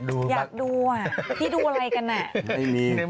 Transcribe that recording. ดูเหลือพี่ดูอะไรกัน